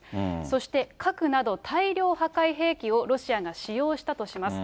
そして、核など大量破壊兵器をロシアが使用したとします。